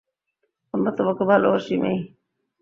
আমরা তোমাকে ভালোবাসি, মেই।